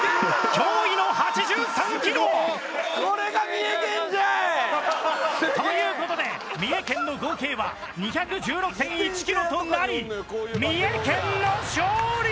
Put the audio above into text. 驚異の８３キロ！という事で三重県の合計は２１６．１キロとなり三重県の勝利！